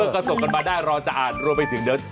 ก็ส่งกันมาได้รอจะอ่านรวมไปถึงเดี๋ยว